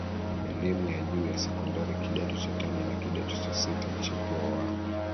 elimu ya juu ya sekondari kidato cha tano na kidato cha sita mchepuo wa